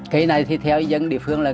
cây này thì theo dân địa phương là